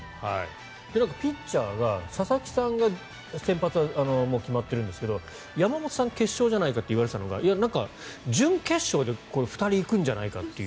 ピッチャーが佐々木さんが先発は決まってるんですが山本さんが決勝じゃないかと言われていたのがなんか準決勝で２人行くんじゃないかっていう。